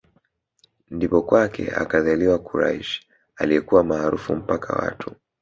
Ndipo kwake akzaliwa Quraysh aliyekuwa maarufu mpaka watu